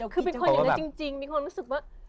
คือเป็นคนอย่างนั้นจริงมีความรู้สึกว่า